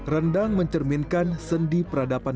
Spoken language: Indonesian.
rendang mencerminkan sendi peradaban